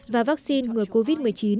và vaccine ngừa covid một mươi chín